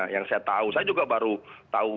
yang saya tahu saya juga baru tahu